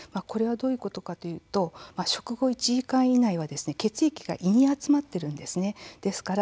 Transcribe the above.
これはどういうことかというと食後１時間以内は血液が胃に集まってきます。